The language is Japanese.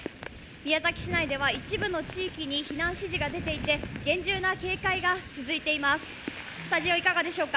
宮崎市内では一部の地域に避難指示が出ていて厳重な警戒が続いています。